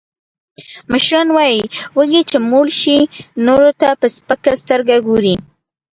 مشران وایي، وږی چې موړ شي، نورو ته په سپکه سترگه گوري.